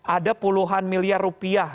ada puluhan miliar rupiah